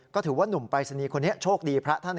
ก็ถือว่านุ่มปรายศนีย์คนนี้โชคดีพระท่าน